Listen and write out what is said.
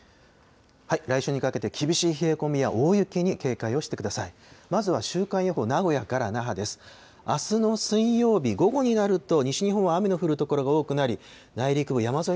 来週にかけて厳しい冷え込みや大雪に警戒をしてください。